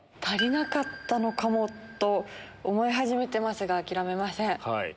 足りなかったのかもと思い始めてますが諦めません。